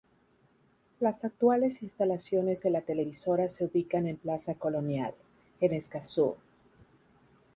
Las actuales instalaciones de la Televisora se ubican en Plaza Colonial, en Escazú.